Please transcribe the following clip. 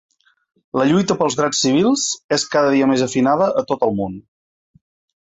La lluita pels drets civils és cada dia més afinada a tot el món.